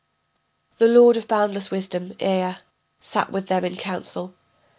The lord of boundless wisdom, Ea, sat with them in council.